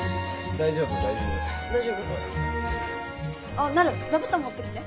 あっなる座布団持ってきて。